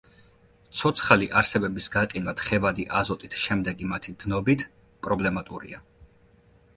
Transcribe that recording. ცოცხალი არსებების გაყინვა თხევადი აზოტით შემდეგი მათი დნობით პრობლემატურია.